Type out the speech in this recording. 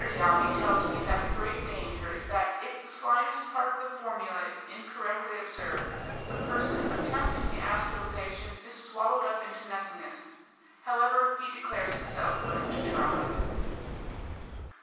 Yahi tells me that the great danger is that, if the slightest part of the formula is incorrectly observed, the person attempting the astralization is swallowed up into nothingness. However, he declares himself willing to try."